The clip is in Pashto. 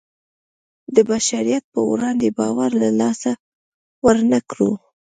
د بشریت په وړاندې باور له لاسه ورنکړو.